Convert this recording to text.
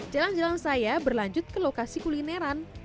jalan jalan saya berlanjut ke lokasi kulineran